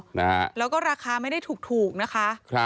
โหแล้วก็ราคาไม่ได้ถูกนะคะ